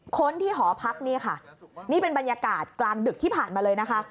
คนที่หอพักนี่ค่ะนี่เป็นบรรยากาศกลางดึกที่ผ่านมาเลยนะคะ